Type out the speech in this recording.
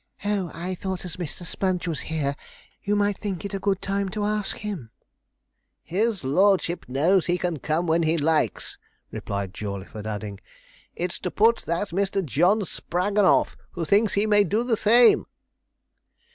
'Oh, I thought as Mr. Sponge was here, you might think it a good time to ask him.' 'His lordship knows he can come when he likes,' replied Jawleyford, adding, 'it's to put that Mr. John Spraggon off, who thinks he may do the same.'